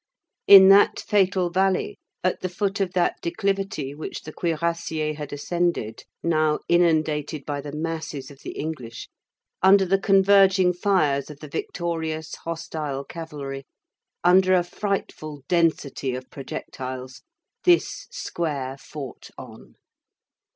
In that fatal valley, at the foot of that declivity which the cuirassiers had ascended, now inundated by the masses of the English, under the converging fires of the victorious hostile cavalry, under a frightful density of projectiles, this square fought on.